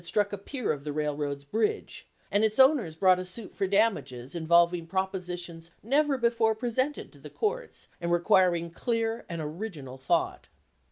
259 LINCOLN THE LAWYER struck a pier of the railroad's bridge, and its owners brought a suit for damages involving propositions never before presented to the courts and requiring clear and original thought.